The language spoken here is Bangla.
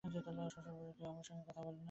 শ্বশুরবাড়ির কেউ আমার সঙ্গে কথা বলে না।